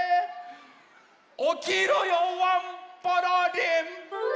おきろよワンポロリン！